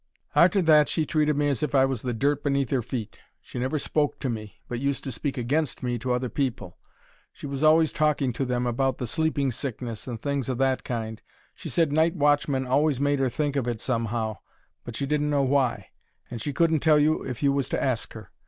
Arter that she treated me as if I was the dirt beneath 'er feet. She never spoke to me, but used to speak against me to other people. She was always talking to them about the "sleeping sickness" and things o' that kind. She said night watchmen always made 'er think of it somehow, but she didn't know why, and she couldn't tell you if you was to ask her.